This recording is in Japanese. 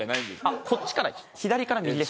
あっこっちから左から右です。